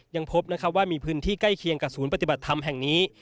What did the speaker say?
ยังพบนะครับว่ามีพื้นที่ใกล้เคียงกับศูนย์ปฏิบัติธรรมแห่งนี้